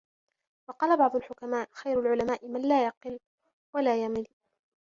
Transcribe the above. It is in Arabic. وَقَالَ بَعْضُ الْحُكَمَاءِ خَيْرُ الْعُلَمَاءِ مَنْ لَا يُقِلُّ وَلَا يُمِلُّ